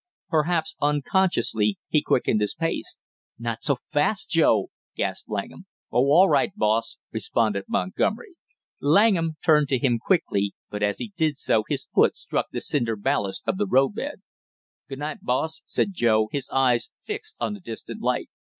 Perhaps unconsciously he quickened his pace. "Not so fast, Joe!" gasped Langham. "Oh, all right, boss!" responded Montgomery. Langham turned to him quickly, but as he did so his foot struck the cinder ballast of the road bed. "Good night, boss!" said Joe, his eyes fixed on the distant light.